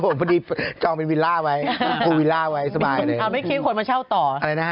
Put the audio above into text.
ตอนนี้จองเป็นวิลล่าไว้สบายเลย